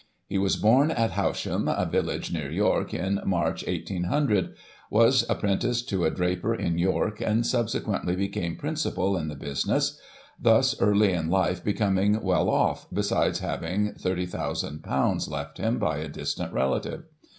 He was born at Howsham, a villcige near York, in March, 1 800 ; was apprenticed to a draper in York ; and, subse quently, became principal in the business ; thus, early in life, becoming well off, besides having ;6^30,ooo left him by a distant relative.